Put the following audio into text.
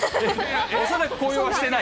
恐らく紅葉はしてない。